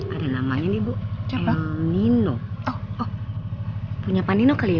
ada namanya nih bu brewing oh punya pak nino kali ya